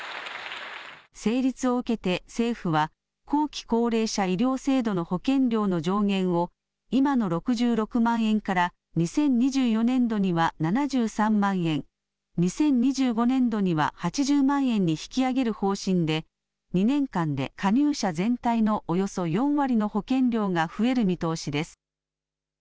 成立を受けて政府は、後期高齢者医療制度の保険料の上限を、今の６６万円から、２０２４年度には７３万円、２０２５年度には８０万円に引き上げる方針で、２年間で加入者全体のおよそ４割の保険料が増える見通しです。